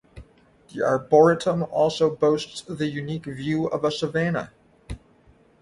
The arboretum also boasts the unique view of a savannah!